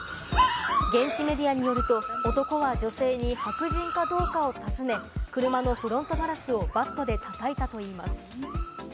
現地メディアによると、男は女性に白人かどうかを尋ね、車のフロントガラスをバットで叩いたといいます。